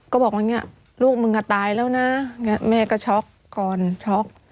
ก็บอกว่าเนี่ยลูกมึงก็ตายแล้วนะแม่ก็ช็อกก่อนช็อก